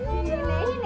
jangan kenal sama dia